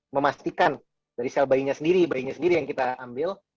memastikan dari sel bayinya sendiri bayinya sendiri yang kita ambil